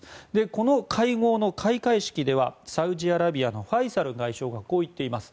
この会合の開会式ではサウジアラビアのファイサル外相がこう言っています。